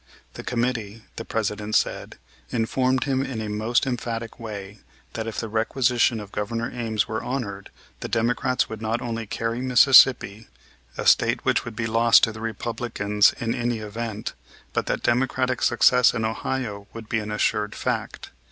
The committee, the President said, informed him in a most emphatic way that if the requisition of Governor Ames were honored, the Democrats would not only carry Mississippi, a State which would be lost to the Republicans in any event, but that Democratic success in Ohio would be an assured fact.